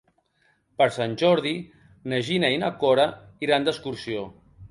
Per Sant Jordi na Gina i na Cora iran d'excursió.